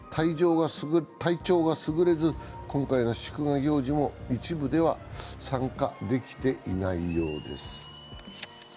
体調がすぐれず、今回の祝賀行事でも一部では参加できていないようです。